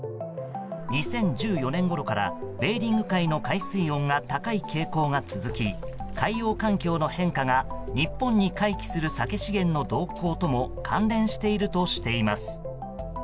２０１４年ごろからベーリング海の海水温が高い傾向が続き海洋環境の変化が日本に回帰するサケ資源の動向とも関連しているとしています。